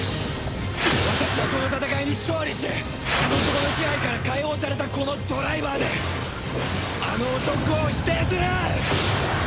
私はこの戦いに勝利しあの男の支配から解放されたこのドライバーであの男を否定する！